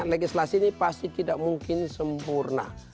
legislasi ini pasti tidak mungkin sempurna